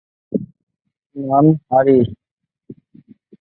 নাম: হারিস।